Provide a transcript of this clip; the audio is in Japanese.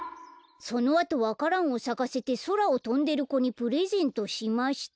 「そのあとわからんをさかせてそらをとんでる子にプレゼントしました」